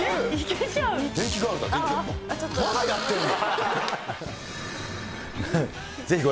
まだやってんの？